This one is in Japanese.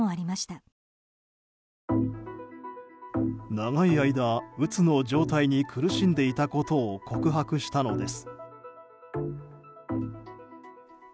長い間うつの状態に苦しんでいたことを告白したのです。